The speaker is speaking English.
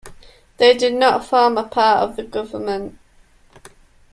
They did not form a part of the government.